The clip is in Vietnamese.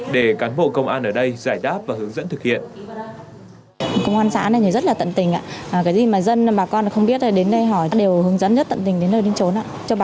để cán bộ công an ở đây giải đáp và hướng dẫn thực hiện